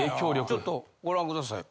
ちょっとご覧ください。